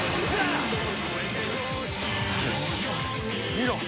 見ろ！